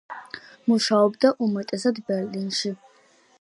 მუშაობდა უმეტესად ბერლინში.